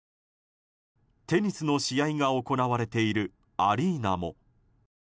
テニスの試合が行われているアリーナも。